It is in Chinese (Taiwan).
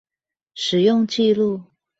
使用紀錄